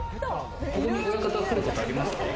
ここに親方くることありますか？